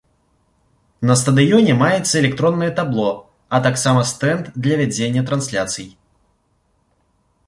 На стадыёне маецца электроннае табло, а таксама стэнд для вядзення трансляцый.